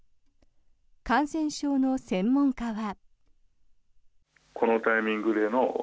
感染症の専門家は。